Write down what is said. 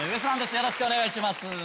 よろしくお願いします。